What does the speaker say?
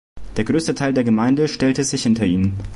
Der größte Teil der Gemeinde stellte sich hinter ihn.